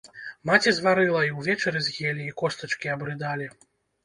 Маці зварыла, і ўвечары з'елі, і костачкі абрыдалі.